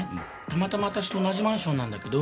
たまたま私と同じマンションなんだけど。